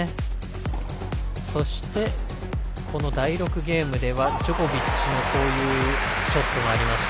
そしてこの第６ゲームではジョコビッチのこういうショットがありました。